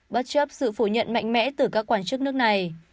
bất chấp sự phủ nhận mạnh mẽ từ các quan chức nước này